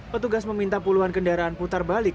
petugas meminta puluhan kendaraan putar balik